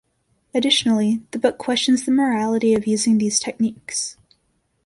Additionally, the book questions the morality of using these techniques.